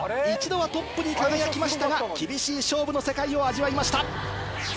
一度はトップに輝きましたが厳しい勝負の世界を味わいました。